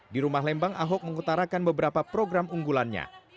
di rumah lembang ahok mengutarakan beberapa program unggulannya